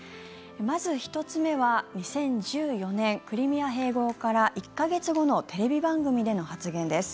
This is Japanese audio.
まず１つ目は、２０１４年クリミア併合から１か月後のテレビ番組での発言です。